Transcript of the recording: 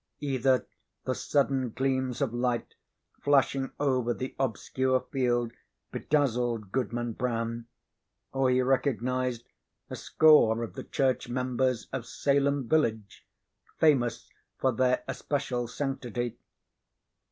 Either the sudden gleams of light flashing over the obscure field bedazzled Goodman Brown, or he recognized a score of the church members of Salem village famous for their especial sanctity.